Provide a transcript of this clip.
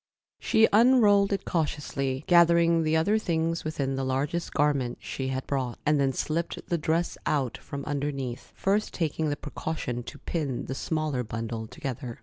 She unrolled it cautiously, gathering the other things within the largest garment she had brought, and then slipped the dress out from underneath, first taking the precaution to pin the smaller bundle together.